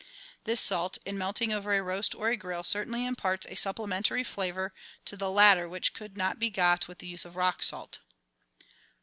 This salt, in melting over a roast or a grill, certainly imparts a supplementary flavour to the latter which could not be got with the use of rock salt.